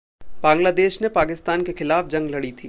बांग्लादेश ने पाकिस्तान के ख़िलाफ़ जंग लड़ी थी।